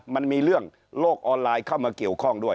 มันมีเรื่องโลกออนไลน์เข้ามาเกี่ยวข้องด้วย